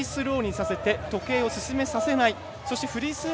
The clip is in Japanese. すぐにフリースローにさせて時計を進めさせない。